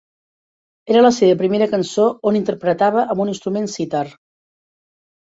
Era la seva primera cançó on interpretava amb un instrument sitar.